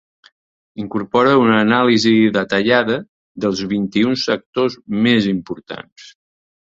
Incorpora una anàlisi detallada dels vint-i-un sectors més importants.